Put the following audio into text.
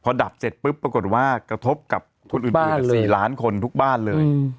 พอดับเสร็จปุ๊บปรากฏว่ากระทบกับคนอื่น๔ล้านคนทุกบ้านเลย